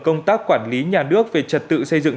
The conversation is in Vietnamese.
công tác quản lý nhà nước về trật tự xây dựng